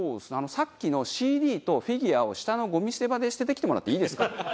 さっきのＣＤとフィギュアを下のゴミ捨て場で捨ててきてもらっていいですか？